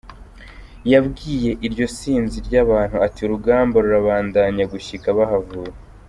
Yabwiye iryo sinzi ry'abantu ati:"Urugamba rurabandanya gushika bahavuye.